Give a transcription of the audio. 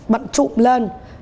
bạn trụm lên